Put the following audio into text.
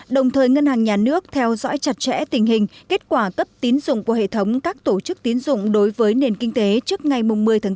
đồng thời ngân hàng nhà nước theo dõi chặt chẽ tình hình kết quả cấp tín dụng của hệ thống các tổ chức tín dụng đối với nền kinh tế trước ngày một mươi tháng bốn